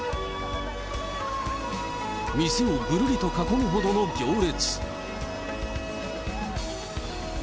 店をぐるりと囲むほどの行列。